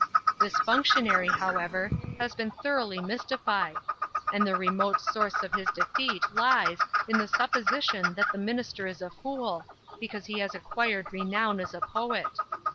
This functionary, however, has been thoroughly mystified; and the remote source of his defeat lies in the supposition that the Minister is a fool, because he has acquired renown as a poet.